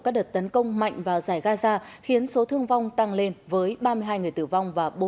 các đợt tấn công mạnh vào giải gaza khiến số thương vong tăng lên với ba mươi hai người tử vong và bốn mươi